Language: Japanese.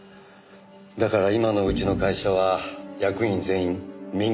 だから今のうちの会社は役員全員民間からです。